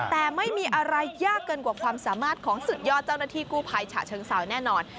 แต่ไม่มีอะไรยากเกินกว่าความสามารถของสุดยอดเจ้าหน้าที่กู้ภัยฉะเชิงเซาแน่นอน